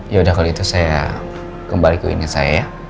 ya udah kalau itu saya kembalikan ke saya ya